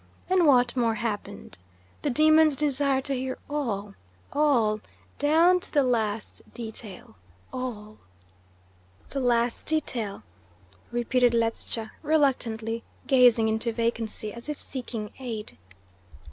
And what more happened? The demons desire to hear all all down to the least detail all!" "The least detail?" repeated Ledscha reluctantly, gazing into vacancy as if seeking aid.